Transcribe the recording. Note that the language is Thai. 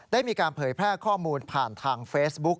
ได้มีการเผยแพร่ข้อมูลผ่านทางเฟซบุ๊ก